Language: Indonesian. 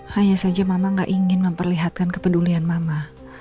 hanya saja mama gak ingin memperlihatkan kepedulian mama